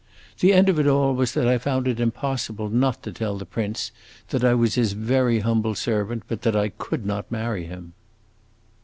The end of it all was that I found it impossible not to tell the prince that I was his very humble servant, but that I could not marry him."